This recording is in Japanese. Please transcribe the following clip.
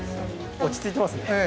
落ち着いてますね。